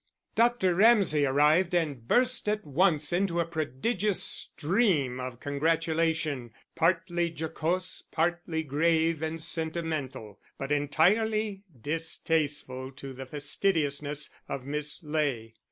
Dr. Ramsay arrived and burst at once into a prodigious stream of congratulation, partly jocose, partly grave and sentimental, but entirely distasteful to the fastidiousness of Miss Ley.